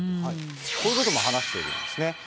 こういうことも話しているんですね。